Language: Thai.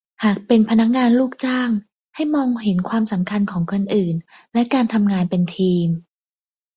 หากเป็นพนักงานลูกจ้าง ให้มองเห็นความสำคัญของคนอื่นและการทำงานเป็นทีม